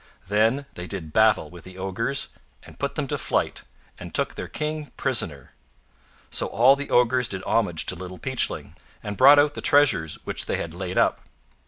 Then they did battle with the ogres and put them to flight, and took their King prisoner. So all the ogres did homage to Little Peachling, and brought out the treasures which they had laid up.